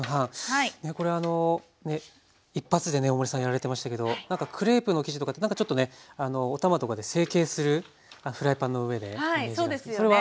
これあの一発でね大森さんやられてましたけどクレープの生地とかってなんかちょっとねお玉とかで成形するフライパンの上でイメージそれは